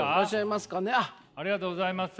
ありがとうございます。